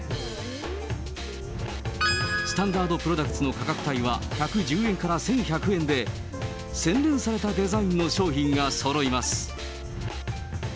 スタンダードプロダクツの価格帯は１１０円から１１００円で、洗練されたデザインの商品がそろいます。